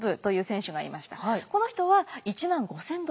この人は１万５，０００ドル。